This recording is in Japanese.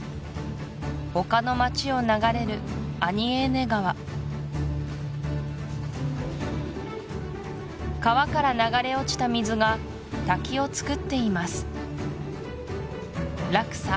丘の街を流れるアニエーネ川川から流れ落ちた水が滝をつくっています落差